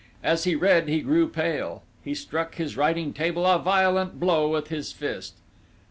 As he read he grew pale. He struck his writing table a violent blow with his fist.